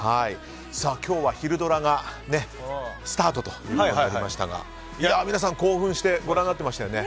今日はひるドラ！がスタートとなりましたが皆さん興奮してご覧になっていましたよね。